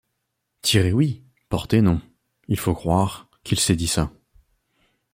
Tirer, oui ; porter, non ; il faut croire qu’il s’est dit ça.